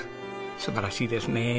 素晴らしいですね！